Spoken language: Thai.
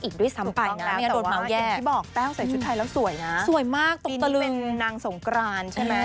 ใช่ค่ะ